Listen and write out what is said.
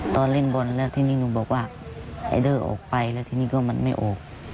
ตอนเล่นบอลแล้วทีนี้หนูบอกว่าไอเดอร์ออกไปแล้วทีนี้ก็มันไม่ออก